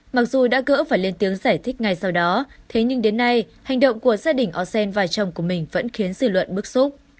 mặc dù đã gỡ và lên tiếng giải thích ngay sau đó thế nhưng đến nay hành động của gia đình ocean vai chồng của mình vẫn khiến dư luận bức xúc